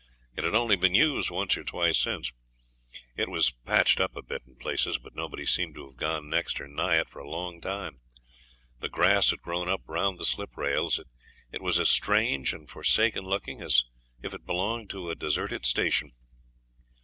It had only been used once or twice since. It was patched up a bit in places, but nobody seemed to have gone next or nigh it for a long time. The grass had grown up round the sliprails; it was as strange and forsaken looking as if it belonged to a deserted station.